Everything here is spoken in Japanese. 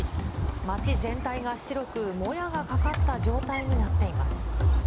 町全体が白く、もやがかかった状態になっています。